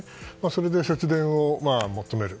それで節電を求める。